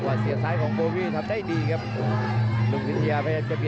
พาท่านผู้ชมกลับติดตามความมันกันต่อครับ